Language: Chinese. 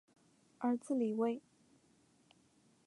儿子李威。